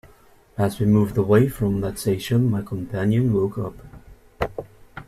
As we moved away from that station my companion woke up.